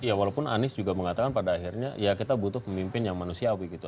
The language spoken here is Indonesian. ya walaupun anies juga mengatakan pada akhirnya ya kita butuh pemimpin yang manusiawi gitu